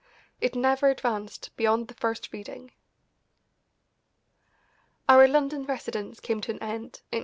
It never advanced beyond the first reading. Our London residence came to an end in 1893.